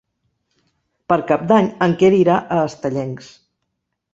Per Cap d'Any en Quer irà a Estellencs.